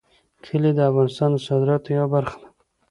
کلي د افغانستان د صادراتو یوه برخه ده.